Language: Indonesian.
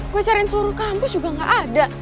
gue cariin seluruh kampus juga gak ada